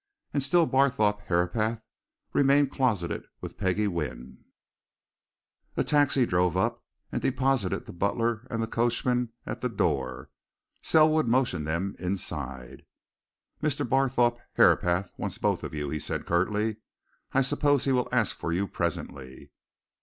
And still Barthorpe Herapath remained closeted with Peggie Wynne. A taxi drove up and deposited the butler and the coachman at the door. Selwood motioned them inside. "Mr. Barthorpe Herapath wants both of you," he said curtly. "I suppose he will ask for you presently."